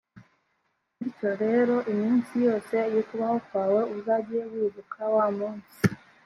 bityo rero, iminsi yose y’ukubaho kwawe uzajye wibuka wa munsi